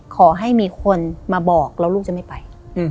ขอให้มีคนมาบอกแล้วลูกจะไม่ไป